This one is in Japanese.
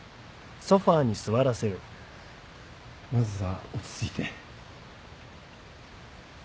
まずは落ち着いて。